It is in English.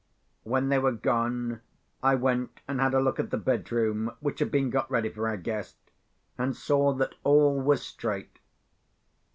When they were gone, I went and had a look at the bedroom which had been got ready for our guest, and saw that all was straight.